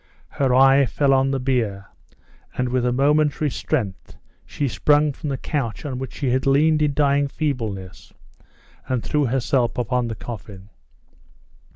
Her eye fell on the bier, and, with a momentary strength, she sprung from the couch on which she had leaned in dying feebleness, and threw herself upon the coffin.